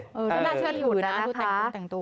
น่าเชื่อถูกนะคะดูแต่งตัวนะครับดูแต่งตัว